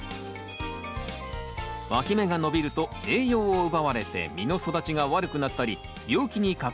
わき芽が伸びると栄養を奪われて実の育ちが悪くなったり病気にかかりやすくなります